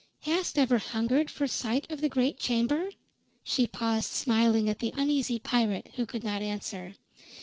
"Hast ever hungered for sight of the great chamber?" She paused smiling at the uneasy pirate, who could not answer.